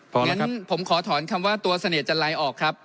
พอแล้วครับงั้นผมขอถอนคำว่าตัวเสน่ห์จะไลน์ออกครับ